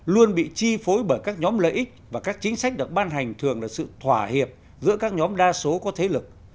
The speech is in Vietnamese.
luôn bị chi phối bởi các nhóm lợi ích và các chính sách được ban hành thường là sự thỏa hiệp giữa các nhóm đa số có thế lực